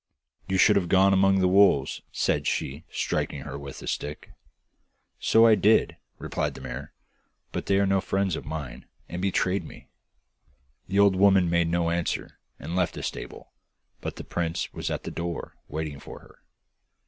'You should have gone among the wolves,' said she, striking her with a stick. 'So I did,' replied the mare, 'but they are no friends of mine and betrayed me.' The old woman made no answer, and left the stable, but the prince was at the door waiting for her.